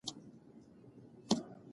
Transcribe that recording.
هغه په چټکۍ سره خپلې بوټان په پښو کړل.